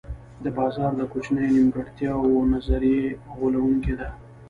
د بازار د کوچنیو نیمګړتیاوو نظریه غولوونکې ده.